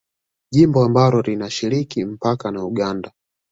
Jimbo ambalo linashiriki mpaka na Uganda